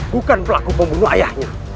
bukan pelaku pembunuh ayahnya